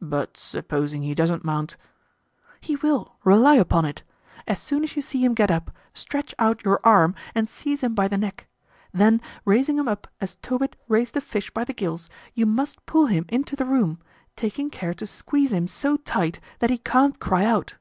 "But supposing he doesn't mount?" "He will; rely upon it. As soon as you see him get up, stretch out your arm and seize him by the neck. Then, raising him up as Tobit raised the fish by the gills, you must pull him into the room, taking care to squeeze him so tight that he can't cry out."